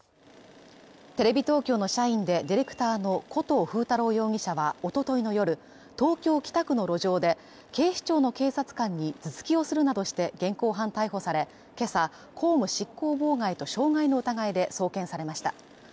テレビ東京の社員でディレクターの古東風太郎容疑者はおとといの夜、東京・北区の路上で警視庁の警察官に頭突きをするなどして現行犯逮捕され、今朝、公務執行妨害と傷害の疑いで送検されました。